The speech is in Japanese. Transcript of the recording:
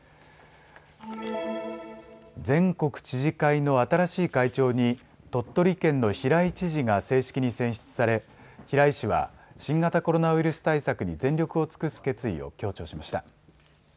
全国知事会の新しい会長に鳥取県の平井知事が正式に選出され平井氏は新型コロナウイルス対策に全力を尽くす決意を強調しました。